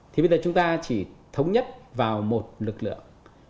thì bây giờ chúng ta chỉ thống nhất vào một lực lượng